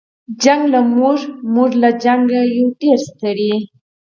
جنګ له موږه موږ له جنګه یو ډېر ستړي